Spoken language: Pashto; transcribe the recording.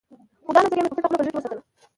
خو دا نظريه مې په پټه خوله په زړه کې وساتله.